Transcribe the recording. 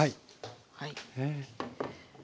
はい。